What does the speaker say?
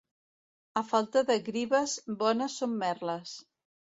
A falta de grives, bones són merles.